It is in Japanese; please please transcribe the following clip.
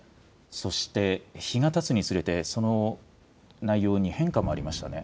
そして、日がたつにつれて、その内容に変化もありましたね。